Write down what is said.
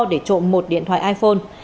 để trộm một điện thoại iphone